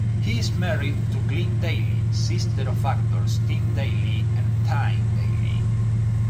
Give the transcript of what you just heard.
He is married to Glynn Daly, sister of actors Tim Daly and Tyne Daly.